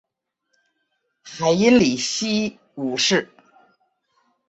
海因里希五世。